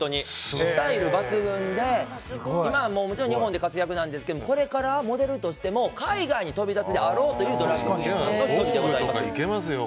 スタイル抜群でもちろん、今は日本で活躍されてるんですけどこれからモデルとしても海外に飛び立つであろうというドラァグクイーンの１人でございます。